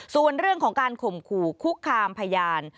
ส่วนเรื่องของการข่มขู่คุกคามพยาน